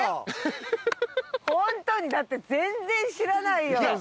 ホントにだって全然知らないよ。